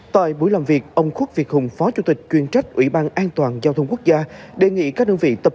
tại buổi làm việc ông quốc việt hùng phó chủ tịch chuyên trách ubnd đề nghị các đơn vị tập